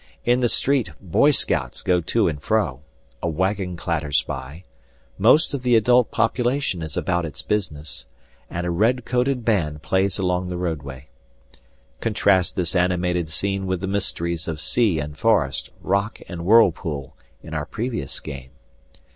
In the street, boy scouts go to and fro, a wagon clatters by; most of the adult population is about its business, and a red coated band plays along the roadway. Contrast this animated scene with the mysteries of sea and forest, rock and whirlpool, in our previous game.